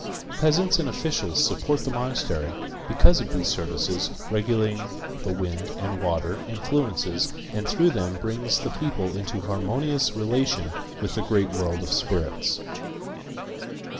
Peasants and officials support the monastery because of these services regulating the wind and water influences and through them bringing the people into harmonious relation with the great world of spirits.